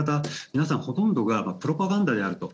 皆さんほとんどがプロパガンダであると。